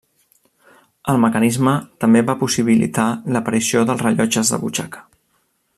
El mecanisme també va possibilitar l'aparició dels rellotges de butxaca.